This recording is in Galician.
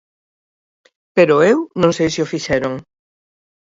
Pero eu non sei se o fixeron.